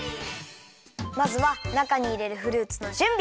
まずはなかにいれるフルーツのじゅんび！